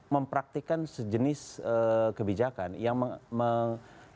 mempraktikan sejenis kebijakan yang